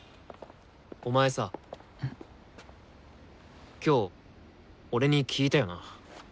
お前さ今日俺に聞いたよな。